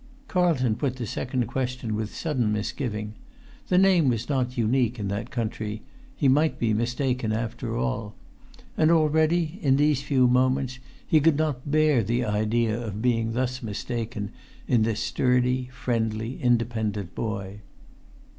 Carlton put the second question with sudden misgiving. The name was not unique in that country; he might be mistaken after all. And already—in these few moments—he could not bear the idea of being thus mistaken in this sturdy, friendly, independent boy.